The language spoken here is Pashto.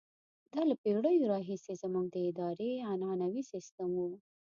دا له پېړیو راهیسې زموږ د ادارې عنعنوي سیستم وو.